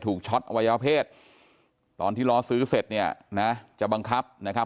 ช็อตอวัยวเพศตอนที่ล้อซื้อเสร็จเนี่ยนะจะบังคับนะครับ